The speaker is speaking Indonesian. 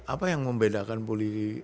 apa yang membedakan polisi